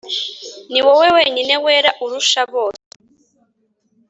Niwowe wenyine wera urusha bose